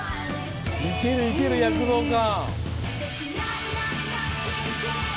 いけるいける躍動感。